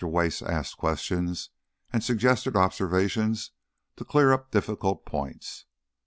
Wace asked questions, and suggested observations to clear up difficult points.